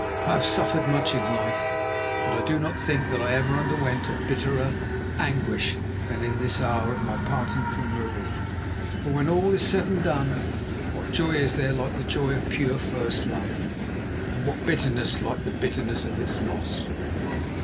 I have suffered much in life, but I do not think that ever I underwent a bitterer anguish than in this hour of my parting from Marie. For when all is said and done, what joy is there like the joy of pure, first love, and what bitterness like the bitterness of its loss?